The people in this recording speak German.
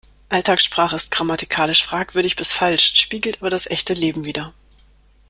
Alltagssprache ist grammatikalisch fragwürdig bis falsch, spiegelt aber das echte Leben wider.